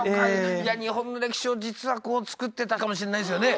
じゃあ日本の歴史を実はこう作ってたかもしんないですよね。